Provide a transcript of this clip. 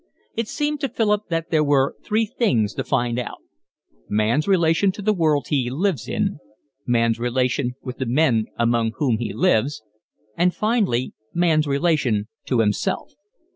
It seemed to Philip that there were three things to find out: man's relation to the world he lives in, man's relation with the men among whom he lives, and finally man's relation to himself.